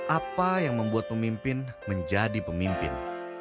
apa yang membuat pemimpin menjadi pemimpin